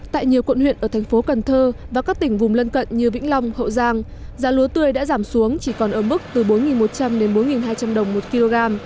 tại nhiều quận huyện ở thành phố cần thơ và các tỉnh vùng lân cận như vĩnh long hậu giang giá lúa tươi đã giảm xuống chỉ còn ở mức từ bốn một trăm linh đến bốn hai trăm linh đồng một kg